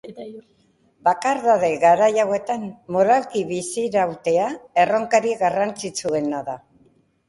Bakardade garai hauetan moralki bizirautea erronkarik garrantzitsuena da.